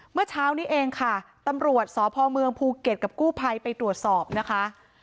เมื่อเช้านี้เองค่ะตำรวจสพเมืองภูเก็ตกับกู้ภัยไปตรวจสอบนะคะ